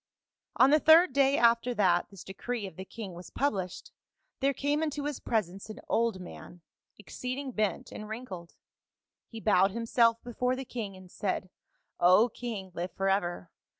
"On the third day after that this decree of the king was published, there came into his presence an old man, exceeding bent and wrinkled ; he bowed himself before the king and said, ' O king, live forever